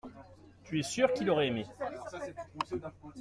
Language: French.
Tu es sûr qu’il aurait aimé.